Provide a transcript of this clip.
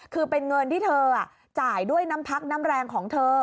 คือเป็นเงินที่เธอจ่ายด้วยน้ำพักน้ำแรงของเธอ